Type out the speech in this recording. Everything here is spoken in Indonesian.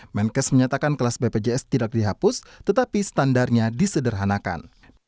menkes menyatakan kelas bpjs tidak dihapus tetapi standarnya disederhanakan